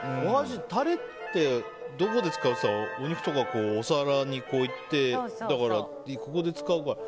タレってどこで使うっていったらお肉とかをお皿にいって、ここで使うから。